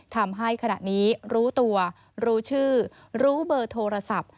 ทำให้ขณะนี้รู้ตัวรู้ชื่อรู้เบอร์โทรศัพท์